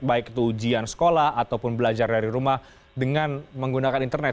baik itu ujian sekolah ataupun belajar dari rumah dengan menggunakan internet